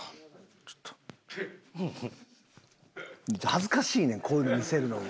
恥ずかしいねんこういうの見せるのも。